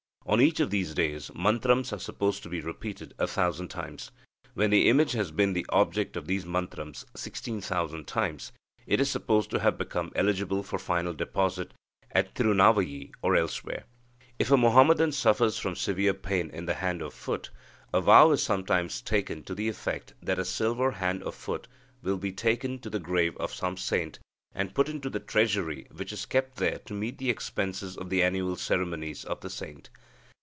On each of these days, mantrams are supposed to be repeated a thousand times. When the image has been the object of these mantrams sixteen thousand times, it is supposed to have become eligible for final deposit at Tirunavayi or elsewhere." If a Muhammadan suffers from severe pain in the hand or foot, a vow is sometimes taken to the effect that a silver hand or foot will be taken to the grave of some saint, and put into the treasury which is kept there to meet the expenses of the annual ceremonies of the saint.